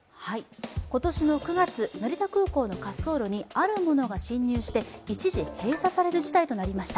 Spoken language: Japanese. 今年の９月、成田空港の滑走路にあるものが侵入して一時閉鎖される事態となりました。